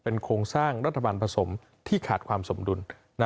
โครงสร้างรัฐบาลผสมที่ขาดความสมดุล